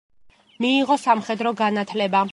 მიიღო სამხედრო განათლება.